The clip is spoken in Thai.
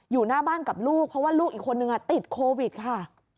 อยู่หน้าบ้านกับลูกเพราะว่าลูกอีกคนนึงติดโควิดค่ะ